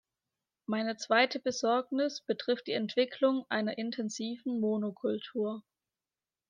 Meine zweite Besorgnis betrifft die Entwicklung einer intensiven Monokultur.